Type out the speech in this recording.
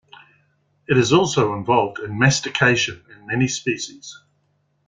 It is also involved in mastication in many species.